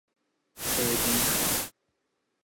青苔蟲